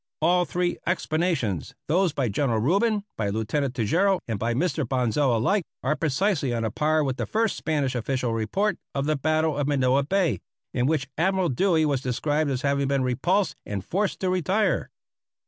All three explanations, those by General Rubin, by Lieutenant Tejeiro, and by Mr. Bonsal alike, are precisely on a par with the first Spanish official report of the battle of Manila Bay, in which Admiral Dewey was described as having been repulsed and forced to retire.